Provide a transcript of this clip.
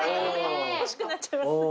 欲しくなっちゃいますね。